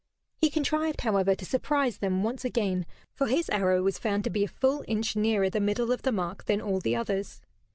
He contrived, however, to surprise them once again, for his arrow was found to be a full inch nearer the middle of the mark than all the others.